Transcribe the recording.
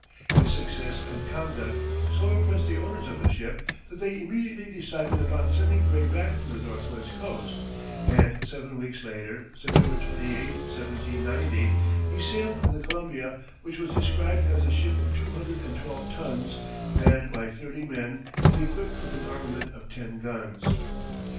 His success and conduct so impressed the owners of the ship that they immediately decided upon sending Gray back to the northwest coast, and seven weeks later, September 28, 1790, he sailed in the Columbia, which was described as a ship of two hundred and twelve tons, manned by thirty men, and equipped with an armament of ten guns.